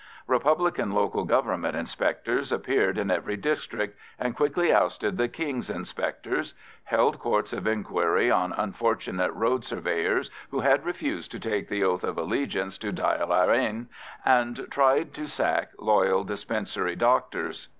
Republican Local Government inspectors appeared in every district, and quickly ousted the King's inspectors; held courts of inquiry on unfortunate road surveyors who had refused to take the oath of allegiance to Dail Eireann, and tried to sack loyal dispensary doctors.